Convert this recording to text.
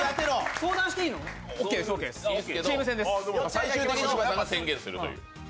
最終的に柴田さんが宣言するという。